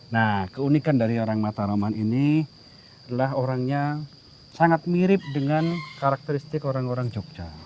nah keunikan dari orang mataraman ini adalah orangnya sangat mirip dengan karakteristik orang orang jogja